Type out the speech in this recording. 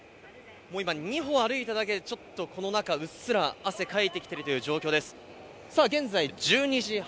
今２歩、歩いただけでこの中、うっすら汗をかいてきているという状況です。